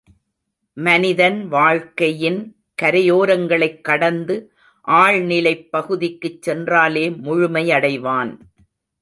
மனிதன் வாழ்க்கையின் கரையோரங்களைக் கடந்து ஆழ்நிலைப் பகுதிக்குச் சென்றாலே முழுமை யடைவான்.